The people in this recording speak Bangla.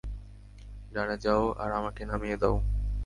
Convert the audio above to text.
ডানে যাও আর আমাকে নামিয়ে দাও।